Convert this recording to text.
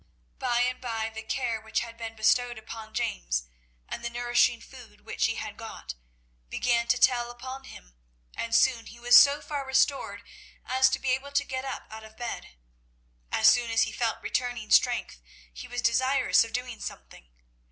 By and by the care which had been bestowed upon James, and the nourishing food which he had got, began to tell upon him, and soon he was so far restored as to be able to get up out of bed. As soon as he felt returning strength, he was desirous of doing something.